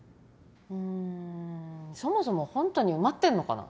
うーんそもそもホントに埋まってんのかな。